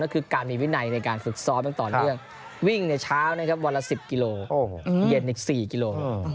นั่นคือการมีวินัยในการศึกซอบยังต่อเลือกวิ่งในเช้าวันละ๑๐กิโลเย็นอีก๔กิโล